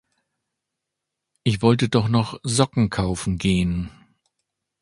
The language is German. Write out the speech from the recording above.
Ich wollte doch noch Socken kaufen gehen.